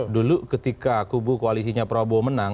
dulu ketika kubu koalisinya prabowo menang